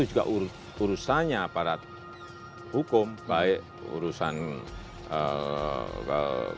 jika tiada researchers atau researchers yang dkbiun